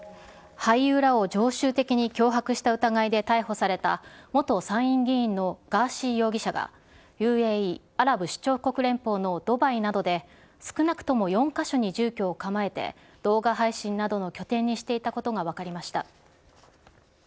俳優らを常習的に脅迫した疑いで逮捕された、元参院議員のガーシー容疑者が、ＵＡＥ・アラブ首長国連邦のドバイなどで少なくとも４か所に住居を構えて動画配信などの拠点にしていたことが分かりました。